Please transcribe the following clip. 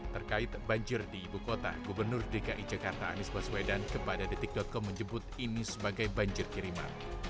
terkait banjir di ibu kota gubernur dki jakarta anies baswedan kepada detik com menyebut ini sebagai banjir kiriman